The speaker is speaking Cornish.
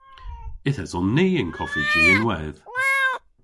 Yth eson ni y'n koffiji ynwedh.